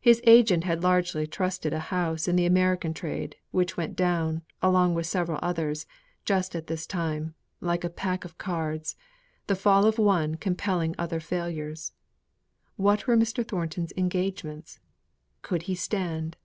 His agent had largely trusted a house in the American trade, which went down, along with several others, just at this time, like a pack of cards, the fall of one compelling other failures. What were Mr. Thornton's engagements? Could he stand?